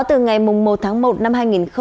từ ngày một tháng một năm hai nghìn hai mươi